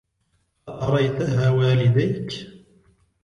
أأريتها والديك ؟